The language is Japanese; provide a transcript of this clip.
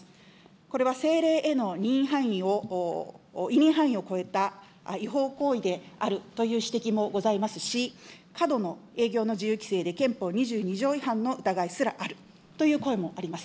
これは政令へのにんい範囲を、委任範囲を超えた違法行為であるという指摘もございますし、過度の営業の自由規制で、憲法２２条違反の疑いすらあるという声もあります。